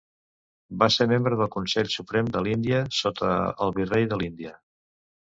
Va ser membre del Consell Suprem de l'Índia sota el virrei de l'Índia.